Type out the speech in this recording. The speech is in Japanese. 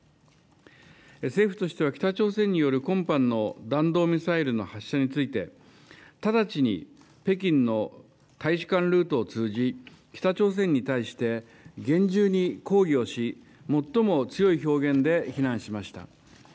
政府としては、北朝鮮による今般の弾道ミサイルの発射について、直ちに北京の大使館ルートを通じ、北朝鮮に対して厳重に抗議をし、最も強い表現で非難しました。